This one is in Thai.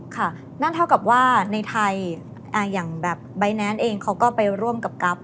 ค่ะนั่นเท่ากับว่าในไทยอย่างแบบใบแนนซ์เองเขาก็ไปร่วมกับกั๊